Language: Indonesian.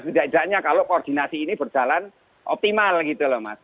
setidaknya kalau koordinasi ini berjalan optimal gitu loh mas